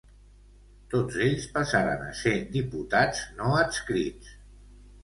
Tots ells passaren a ser diputats no adscrits.